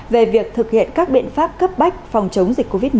về việc thực hiện các biện pháp cấp bách phòng chống dịch covid một mươi